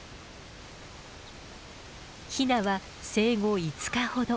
ヒナは生後５日ほど。